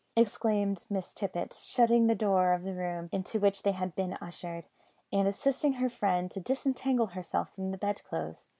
exclaimed Miss Tippet, shutting the door of the room into which they had been ushered, and assisting her friend to disentangle herself from the bedclothes.